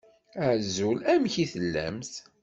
Azul! Amek i tellamt?